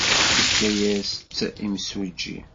Yefka-as-tt imsujji.